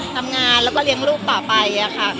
ทำงานแล้วก็เลี้ยงลูกต่อไปค่ะ